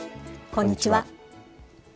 こんにちは。